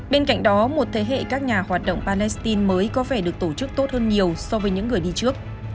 bên cạnh đó một thế hệ các nhà hoạt động palestine mới có vẻ được tổ chức tốt hơn nhiều so với những người đi trước